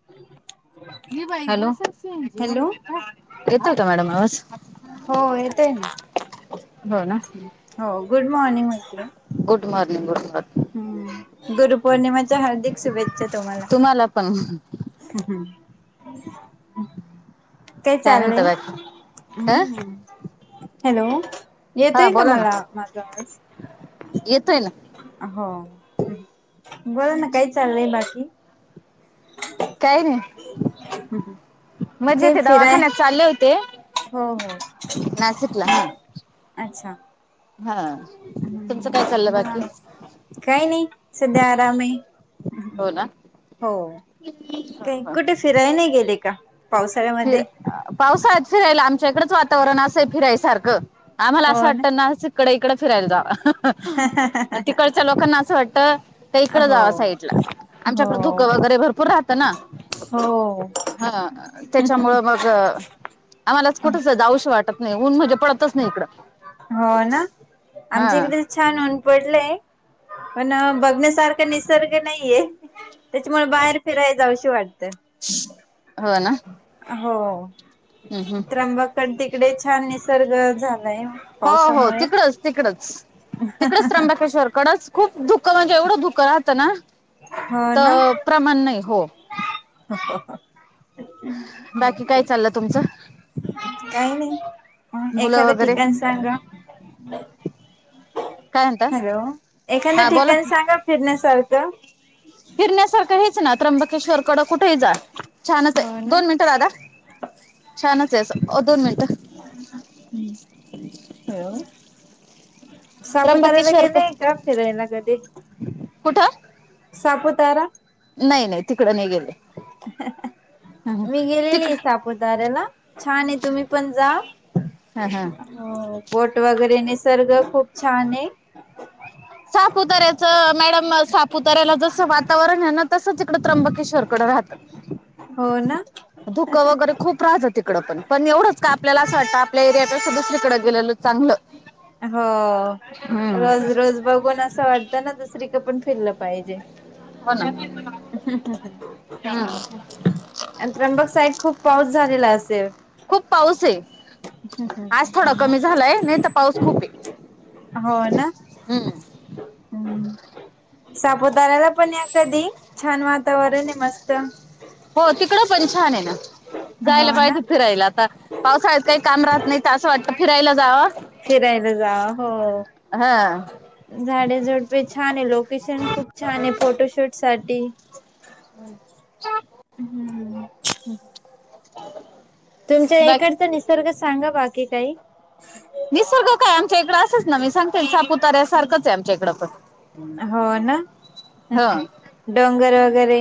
[inaudible] Hello hello येतोय का madam आवाज? हो येतोय ना. हो ना हो गुड मॉर्निंग म्हटलं गुड मॉर्निंग गुड मॉर्निंग. गुरुपौर्णिमाच्या हार्दिक शुभेच्छा तुम्हाला. तुम्हाला पण. हम् काय म्हणता चाललंय? बाकी अ हॅलो हा येतोय का बोला ना मला माझा आवाज? येतोय ना हो बोलाना काही चाललंय बाकी? काय नाही. हम मजेत आहे दवाखान्यात चालले होते. हो हो नाशिकला हा अच्छा. हा तुमचं काय चाललंय बघा बाकी? काही नाही सध्या आराम आहे. हो ना हो ह काय ह कुठे फिराय नाही गेले का फिर पावसाळ्यामध्ये? पावसाळ्यात फिरायला आमच्या इकडंच वातावरण असं फिरायसारखं आम्हाला हो असं वाटतं ना नासी इकड इकडं फिरायला जावं तिकडच्या लोकांना असं वाटत त्या इकड हो जावा साइडला आमच्याकडें हो धुकं वगैरे भरपूर राहतं ना हो हा त्याच्यामुळं मग आम्हालाच कुठंस जावस वाटत नाही ऊन म्हणजे पडतच नाही इकडं हो ना हा आमच्या इकडे छान ऊन पडलंय पण बघण्यासारखं निसर्ग नाईये त्याच्यामुळे बाहेर फिराय जावशी वाटतं हो ना हो हम् त्र्यंबाकड तिकडे छान निसर्ग झालाय ओ पावसामुळे त तिकडच तिकडच त्र्यंबकेश्वर कडच खूप धुकं म्हणजे एवढं धुकं राहतं ना हो ना तर प्रमाण नाही हो [unintelligible] बाकी काय चाललं तुमचं काही नाही मुलं एखाद वगैरे ठिकाण सांगा काय म्हणता हॅलो एखादं हा बोला ठिकाण सांगा फिरण्या सारखं फिरण्यासारखं हेच ना त्र्यंबकेश्वर कडं कुठेही जा छानच हाय हो ना दोन मिनिट दादा छानच हाय असं ओ दोन मिनटं हम् हॅलो [unintelligible] [unintelligible] त्र्यंबकेश्वर गेलेय का फिरायला कधी कुठं सापुतारा नाई नाई तिकडं नाई गेले ह मी गेलेली तिकड आहे सापुतार्याला छान हाय तुम्ही पण जा हा हा हो बोट वगैरे निसर्ग खूप छान आहे सापुतऱ्याच मॅडम सापुतऱ्याला जसं वातावरण आहे ना तसच त्र्यबकेश्वर कड राहतं हो ना धुकं वगैरे खूप राहत तिकड पण पण एवढंच का आपल्याला असं वाटतं आपल्या एरियातल असं दुसरीकडे गेलेलं चांगलं [unintelligible] रोज हम्म रोज बघून असं वाटतं ना दुसरीकड पण फिरलं पाहिजे होना आणि त्र्यंबक साईड खूप पाऊस झालेला असेल खूप पाऊस हाय आज हो थोडा ना कमी झालाय नाही तर पाऊस खूप हाय हो ना सापुतार्याला पण या कधी छान वा वातावरण हाय मस्त हो तिकडं पण छान हाय ना हो जायला ना. पाहिजे फिरायला आता पावसाळ्यात काही काम राहत नाही असं वाटतं फिरायला जावाव फिरायला जाव हो हा झाडेझुडपे छान हाय छान हाय फोटोशूट साठी [inaudible] तुमच्या बाकी इकडचं निस निसर्ग सांगा बाकी काही निसर्ग काय आमच्या इकड अस असच ना मी सांगते सापुतऱ्या सारखंच आहे आमच्या इकडं पण. हो ना ह डोंगर वगैरे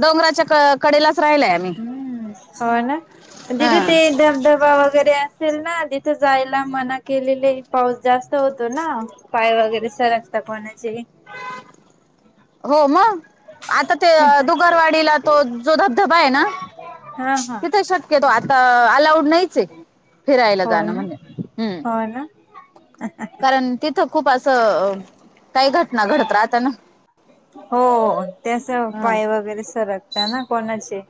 डोंगराच्या क कडेलाच राहिलाय आम्ही हो ना तिथे आं. ते धबधबा वगैरे असेल ना तिथं जायला मना केलेले पाऊस जास्त होतो ना. पाय वगैरे सरकता कोणाचे. हो म आता ते दुगरवाडीला तो जो धबधबा आहे ना हा हा तिथं शक यतो आता अलाऊड नाहीच आहे फिरायला हो जाणं ना म्हणजे हम्म. हो ना. कारण तिथं खूप असं काही घटना घडत राहता ना हो ते असं त्याच ह पाय वगैरे सरक त ना कोणाचे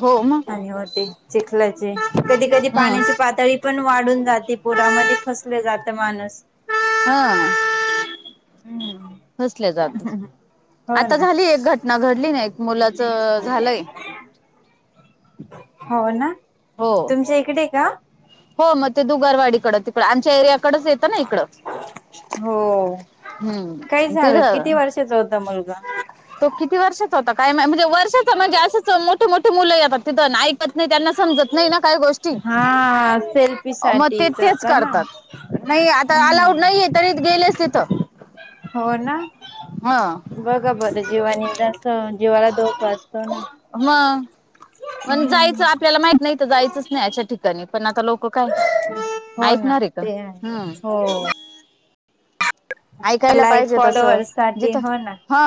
हो मग आणि होते चिखल्याचे कधी कधी हम्म पाण्याची पातळी पण वाढून जाते पुरामध्ये फसले जातं माणस. हा हम्म, फसल्या जातोच. हो आता ना झाली एक घटना घडली ना एक मुलाचं झालंय. हाव ना हो तुमच्या इकडे का? हो म ते दुगरवाडीकडं तिकडं आमच्या एरियाकडेच येतं ना इकडं. हो काय हम्म झालं तिथं किती वर्षाच होता मुलगा? तो किती वर्षाचा होता काय माय म्हणजे वर्षाचा म्हणजे असंच मोठे-मोठे मुलं येतात तिथं ना ऐ कत नाही त्यांना समजत नाही ना काही गोष्टी हा सेल्फी मते साठी तेच जाता ना. करतात. नाही आता अलाऊड हम्म. नाहीये तरी गेलेच तिथं. हो ना. हां. बघा बरं जीवानीत असं जीवाला धोका असतो ना. मग पण जायचं आपल्याला माहित नाही तर जायचंच नाही अशा ठिकाणी पण आता लोकं काय हो ना ऐकणार आहे का ते हम्म. हो. ऐकायला लाईक, पाहिजे तसं फॉलोअर्स साठी जिथं हो ना. हा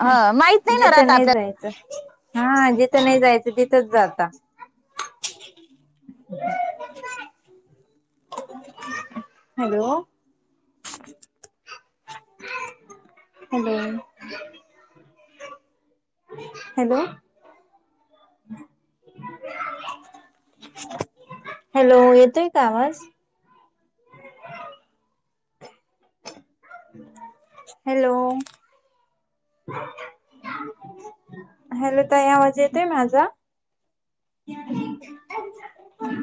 हा माहित ना जिथं राहत आपल्याला नाही जायचं. हा जिथं नाही जायचं तिथंच जाता. हॅलो. Hello hello. हॅलो येतोय का आवाज? [unintelligible] हॅलो. हॅलो ताई आवाज येतोय माझा?